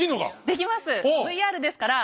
できます。